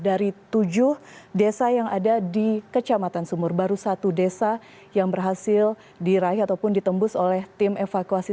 dari tujuh desa yang ada di kecamatan sumur baru satu desa yang berhasil diraih ataupun ditembus oleh tim evakuasi